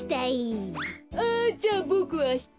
あじゃあボクあした。